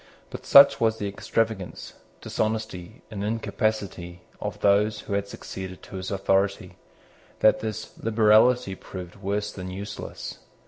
But such was the extravagance, dishonesty, and incapacity of those who had succeeded to his authority, that this liberality proved worse than useless.